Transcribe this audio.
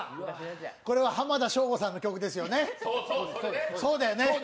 これは浜田省吾さんの曲ですよね、そうですよね。